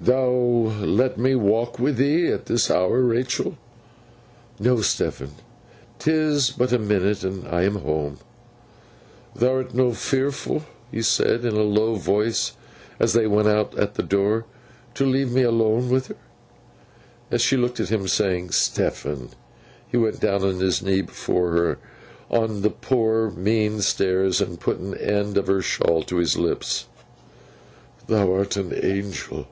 'Thou'lt let me walk wi' thee at this hour, Rachael?' 'No, Stephen. 'Tis but a minute, and I'm home.' 'Thou'rt not fearfo';' he said it in a low voice, as they went out at the door; 'to leave me alone wi' her!' As she looked at him, saying, 'Stephen?' he went down on his knee before her, on the poor mean stairs, and put an end of her shawl to his lips. 'Thou art an Angel.